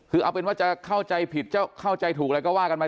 คือเอาเป็นว่าจะเข้าใจผิดเข้าใจถูกอะไรก็ว่ากันไป